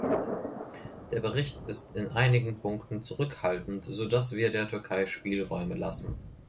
Der Bericht ist in einigen Punkten zurückhaltend, sodass wir der Türkei Spielräume lassen.